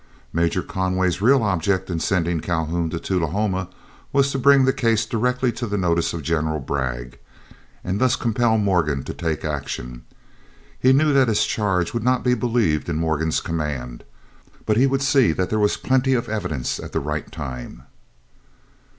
Major Conway's real object in sending Calhoun to Tullahoma was to bring the case directly to the notice of General Bragg, and thus compel Morgan to take action. He knew that his charge would not be believed in Morgan's command, but he would see that there was plenty of evidence at the right time.